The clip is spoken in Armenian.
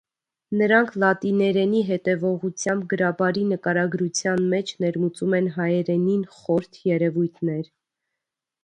Նրանք լատիներենի հետևողությամբ գրաբարի նկարագրության մեջ ներմուծում են հայերենին խորթ երևույթներ։